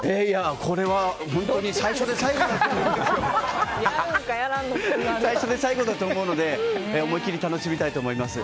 これは本当に最初で最後だと思うので思い切り楽しみたいと思います。